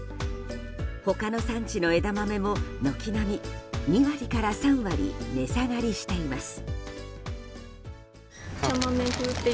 他の産地の枝豆も軒並み２割から３割値下がりしています。